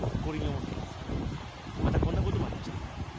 また、こんなこともありました。